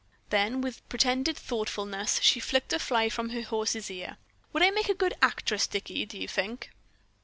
Then with pretended thoughtfulness she flicked a fly from her horse's ear. "Would I make a good actress, Dicky, do you think?"